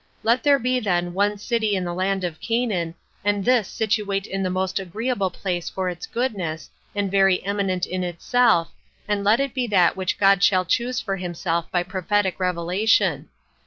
Let there be then one city of the land of Canaan, and this situate in the most agreeable place for its goodness, and very eminent in itself, and let it be that which God shall choose for himself by prophetic revelation.